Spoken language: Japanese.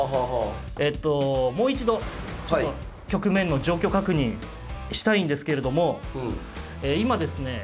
えともう一度ちょっと局面の状況確認したいんですけれども今ですね